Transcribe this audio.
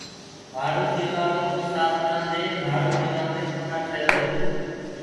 ڀاڙو ليوآݪو مساڦرانٚ دي ڀاڙو ليوآ مي ڪونآ ٺيرو